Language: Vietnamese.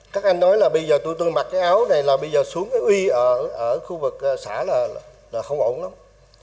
các anh nói là bây giờ tụi tôi từng mặc cái áo này là bây giờ xuống cái uy ở khu vực xã là không ổn lắm